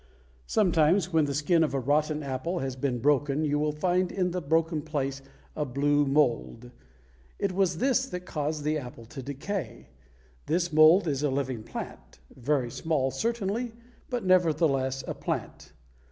Sometimes when the skin of a rotten apple has been broken you will find in the broken place a blue mold. It was this that caused the apple to decay. This mold is a living plant; very small, certainly, but nevertheless a plant.